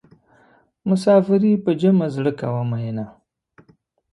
مسافري په جمع زړه کوه مینه.